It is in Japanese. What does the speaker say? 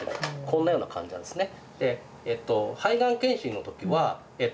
こんなような感じなんですね。